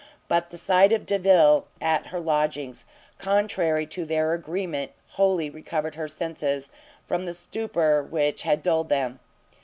But the sight of Delvile at her lodgings, contrary to their agreement, wholly recovered her senses from the stupor which had dulled them.